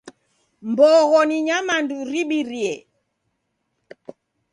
Mbogho ni nyamandu ribirie.